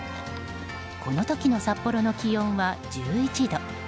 この時の札幌の気温は１１度。